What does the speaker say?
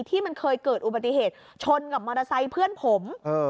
ที่มันเคยเกิดอุบัติเหตุชนกับมอเตอร์ไซค์เพื่อนผม